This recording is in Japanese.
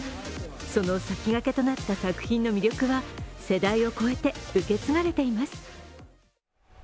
その先駆けとなった作品の魅力は世代を超えて受け継がれています。